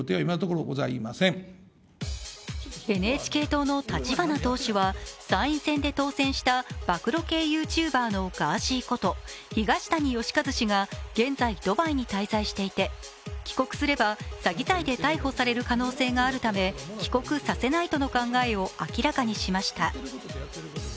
ＮＨＫ党の立花党首は、参院選で当選した暴露系ＹｏｕＴｕｂｅｒのガーシーこと東谷義和氏が、現在、ドバイに滞在していて帰国すれば詐欺罪で逮捕される可能性があるため帰国させないとの考えを明らかにしました。